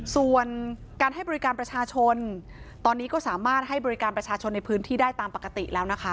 ส่วนการให้บริการประชาชนตอนนี้ก็สามารถให้บริการประชาชนในพื้นที่ได้ตามปกติแล้วนะคะ